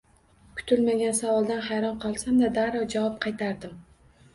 Kutilmagan savoldan hayron qolsam-da, darrov javob qaytardim